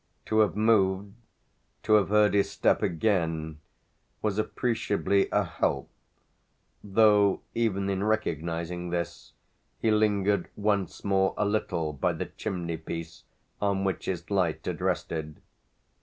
To have moved, to have heard his step again, was appreciably a help; though even in recognising this he lingered once more a little by the chimney piece on which his light had rested.